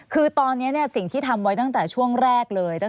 คือตอนนี้สิ่งที่ทำไว้ตั้งแต่ช่วงแรกเลย